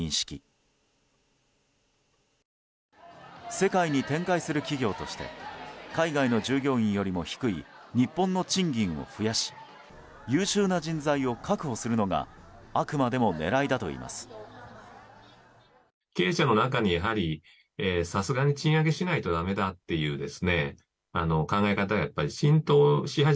世界に展開する企業として海外の従業員よりも低い日本の賃金を増やし優秀な人材を確保するのがあくまでも狙いだといいます。